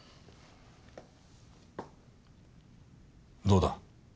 どうだ？